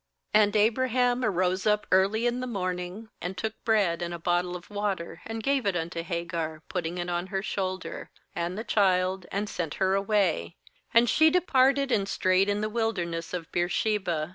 "And Abraham rose up early in the morning, and took bread and a bottle of water, and gave it unto Hagar, putting it on her shoul der, and the child, and sent her away; and she departed, and strayed in the wilderness of Beer sheba.